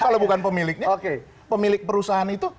kalau bukan pemiliknya pemilik perusahaan itu